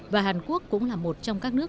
và hàn quốc cũng là một trong các nước